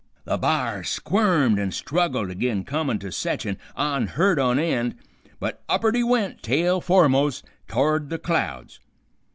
The b'ar squirmed an' struggled agin comin' to setch an' onheerdon end, but up'ard he went, tail foremost, to'ard the clouds.